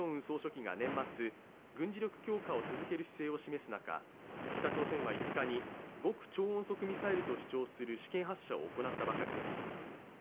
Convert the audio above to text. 総書記が年末軍事力強化を続ける姿勢を示す中北朝鮮は５日に、極超音速ミサイルと主張する試験発射を行ったばかりです。